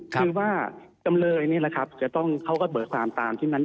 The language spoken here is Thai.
คือว่าจำเลยนี่แหละครับจะต้องเขาก็เบิกความตามที่นั้น